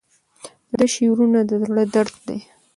د ده شعرونه د زړه درد دی.